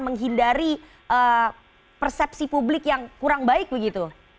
menghindari persepsi publik yang kurang baik begitu